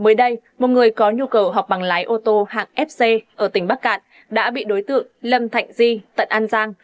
mới đây một người có nhu cầu học bằng lái ô tô hạng fc ở tỉnh bắc cạn đã bị đối tượng lâm thạnh di tận an giang